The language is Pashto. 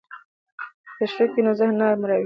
که تشویق وي نو ذهن نه مړاوی کیږي.